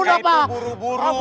engga itu buru buru